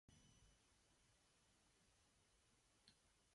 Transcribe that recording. Later, the collection was dispersed, many being bought by regimental museums.